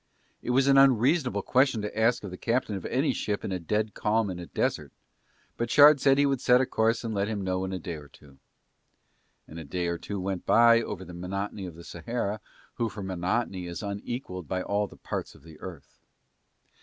It was an unreasonable question to ask of the captain of any ship in a dead calm in a desert, but Shard said he would set a course and let him know in a day or two. And a day or two went by over the monotony of the Sahara, who for monotony is unequalled by all the parts of the earth.